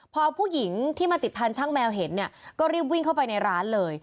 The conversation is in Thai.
พอผู้หญิงที่มาติดพันธ์ช่างแมวเห็นเนี่ยก็รีบวิ่งเข้าไปในร้านเลย